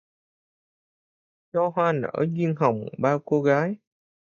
Cho hoa nở duyên hồng bao cô gái